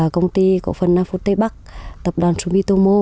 công ty cổ phần nam phú tây bắc tập đoàn sumitomo